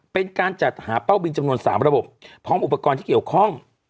เป็นการจัดหาเป้าบินจำนวน๓ระบบพร้อมอุปกรณ์ที่เกี่ยวข้อง